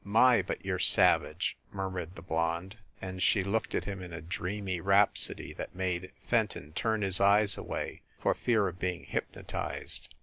"My, but you re savage !" murmured the blonde, and she looked at him in a dreamy rhapsody that made Fenton turn his eyes away for fear of being hypnotized.